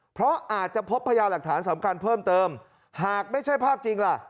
เพราะอาจจะพบพยาหลักฐานสำคัญเพิ่มเติมหากไม่ใช่ภาพจริงล่ะ